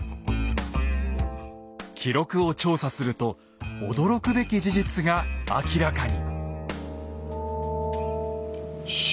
記録を調査すると驚くべき事実が明らかに。